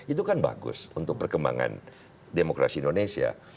itu kan bagus untuk perkembangan demokrasi indonesia